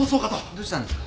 どうしたんですか？